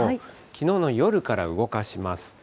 きのうの夜から動かします。